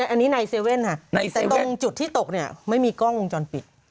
อันนี้ใน๗๑๑ค่ะแต่ตรงจุดที่ตกเนี่ยไม่มีกล้องวงจรปิด